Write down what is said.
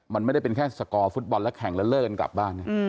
มันไม่ได้เป็นแค่สกอร์ฟุตบอลแล้วแข่งแล้วเลิกกันกลับบ้าน